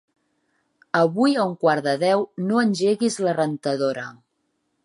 Avui a un quart de deu no engeguis la rentadora.